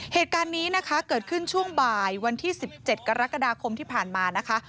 เหตุการณ์นี้นะคะเกิดขึ้นช่วงบ่ายวันที่๑๗กรกฎาคมที่ผ่านมานะคะ